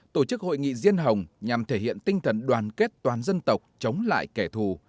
tổ chức hội nghị riêng hồng nhằm thể hiện tinh thần đoàn kết toàn dân tộc chống lại kẻ thù